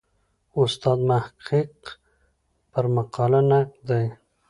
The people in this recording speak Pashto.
استاد محمد محق پر مقاله نقد دی.